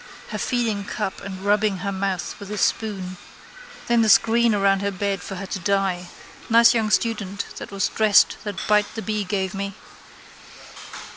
Her feeding cup and rubbing her mouth with the spoon. Then the screen round her bed for her to die. Nice young student that was dressed that bite the bee gave me.